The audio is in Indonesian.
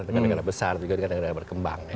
dengan negara besar dengan negara berkembang